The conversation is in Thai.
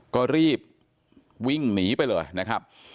ก็รีบวิ่งหนีไปเลยนะครับ